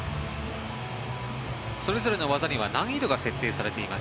それぞれの技には難易度が設定されています。